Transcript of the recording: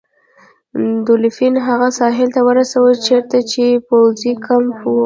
دولفین هغه ساحل ته ورساوه چیرته چې پوځي کمپ و.